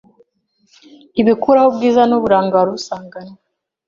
ntibikuraho ubwiza n’uburanga wari usanganywe,